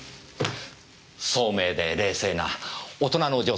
聡明で冷静な大人の女性です。